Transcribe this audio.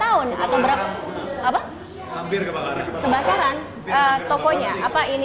dulu mau belajar roasting di luar negeri kayaknya terlalu mahal gitu